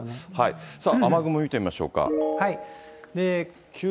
さあ、雨雲見てみましょうか。